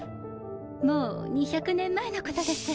もう２００年前のことです。